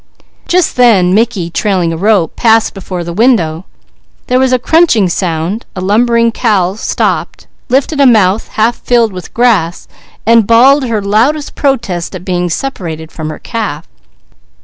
Just then, Mickey, trailing a rope, passed before the window; there was a crunching sound; a lumbering cow stopped, lifted a mouth half filled with grass, and bawled her loudest protest at being separated from her calf.